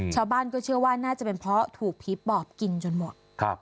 ชาวบ้านก็เชื่อว่าน่าจะเป็นเพราะถูกผีปอบกินจนหมด